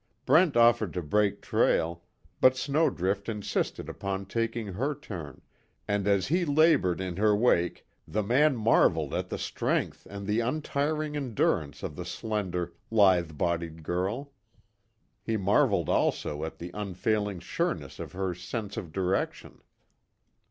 Brent offered to break trail, but Snowdrift insisted upon taking her turn, and as he labored in her wake, the man marveled at the strength and the untiring endurance of the slender, lithe bodied girl. He marveled also at the unfailing sureness of her sense of direction.